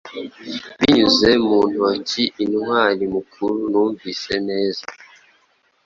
Binyuze mu ntoki intwari mukuru Numvise neza